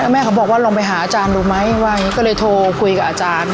แล้วแม่เขาบอกว่าลองไปหาอาจารย์รู้ไหมว่าไงก็เลยโทรคุยกับอาจารย์